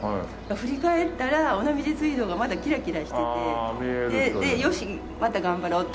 振り返ったら尾道水道がまだキラキラしてて「よし！また頑張ろう」っていう。